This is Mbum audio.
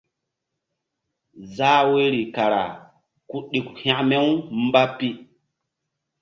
Zah woyri kara ku ɗuk hȩkme-umba pi.